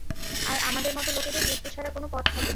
আর আমাদের মতো লোকেদের মৃত্যু ছাড়া কোন পথ থাকে না।